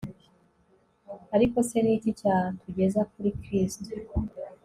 ariko se , ni iki cyatugeza kuri kristo